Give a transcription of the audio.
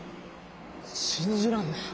信じらんねえ。